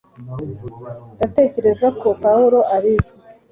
ndatekereza ko pawulo abizi